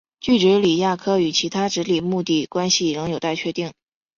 锯脂鲤亚科与其他脂鲤目的关系仍有待确定。